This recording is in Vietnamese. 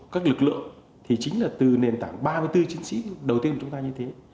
các lực lượng thì chính là từ nền tảng ba mươi bốn chiến sĩ đầu tiên của chúng ta như thế